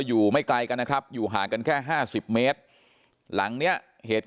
อยู่ไม่ไกลกันนะครับอยู่ห่างกันแค่๕๐เมตรหลังเนี้ยเหตุ